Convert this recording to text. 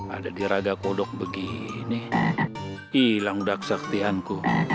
ada diragakodok begini hilang dah kesaktianku